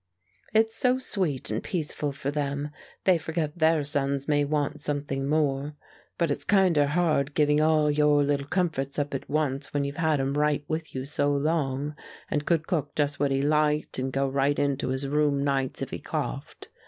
"It's so sweet and peaceful for them, they forget their sons may want something more. But it's kinder hard giving all your little comforts up at once when you've had him right with you so long, and could cook just what he liked, and go right into his room nights if he coughed.